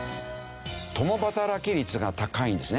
共働き率が高いんですね。